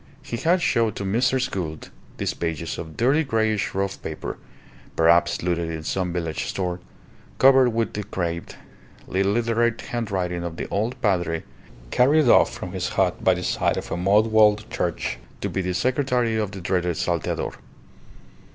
He had showed to Mrs. Gould these pages of dirty greyish rough paper (perhaps looted in some village store), covered with the crabbed, illiterate handwriting of the old padre, carried off from his hut by the side of a mud walled church to be the secretary of the dreaded Salteador.